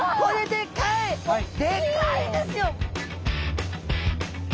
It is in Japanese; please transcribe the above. でかいですよ！